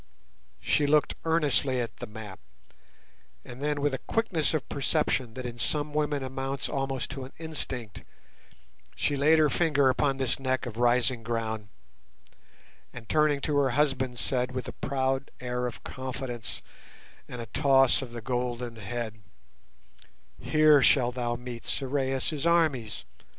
She looked earnestly at the map, and then, with a quickness of perception that in some women amounts almost to an instinct, she laid her finger upon this neck of rising ground, and turning to her husband, said, with a proud air of confidence and a toss of the golden head— "Here shalt thou meet Sorais' armies.